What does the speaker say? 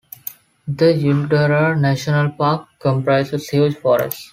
The Ulidarra National Park comprises huge forests.